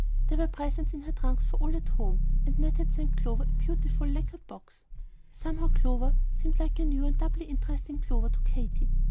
There were presents in her trunks for all at home, and Ned had sent Clover a beautiful lacquered box. Somehow Clover seemed like a new and doubly interesting Clover to Katy.